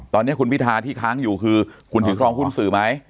ตอนนี้คุณพิทาที่ค้างอยู่คือคุณถือครองหุ้นสื่อไหม